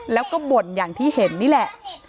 แล้วก็บ่นอย่างที่เห็นนี่แหละ